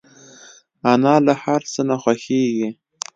انا له هر څه نه خوښيږي